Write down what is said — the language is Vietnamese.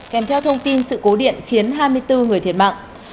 kèm theo thông tin sự cố điện khiến hai mươi bốn người đàn ông đã bị xử lý